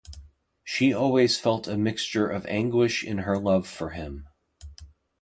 She always felt a mixture of anguish in her love for him.